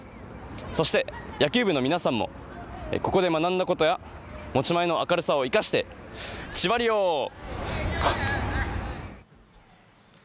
そして、野球部の皆さんもここで学んだことや持ち前の明るさを生かしてチバリヨハッ！